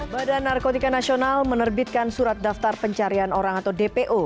badan narkotika nasional menerbitkan surat daftar pencarian orang atau dpo